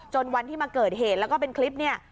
วันที่มาเกิดเหตุแล้วก็เป็นคลิปเนี่ย